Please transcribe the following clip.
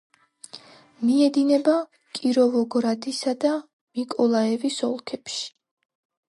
მიედინება კიროვოგრადის და მიკოლაევის ოლქებში.